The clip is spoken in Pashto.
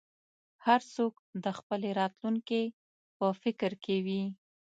هر څوک د خپلې راتلونکې په فکر کې وي.